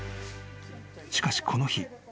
［しかしこの日。